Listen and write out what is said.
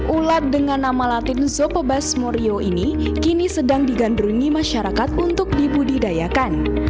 ulat dengan nama latin zopobasmorio ini kini sedang digandrungi masyarakat untuk dibudidayakan